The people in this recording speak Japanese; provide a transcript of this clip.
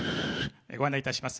ご案内いたします。